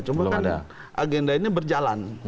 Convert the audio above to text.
cuma kan agenda ini berjalan